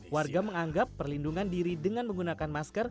warga menganggap perlindungan diri dengan menggunakan masker